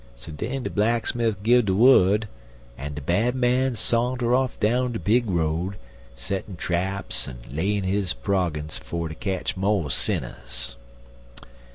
So den de blacksmif gun de wud, en de Bad Man sa'nter off down de big road, settin' traps en layin' his progance fer ter ketch mo' sinners.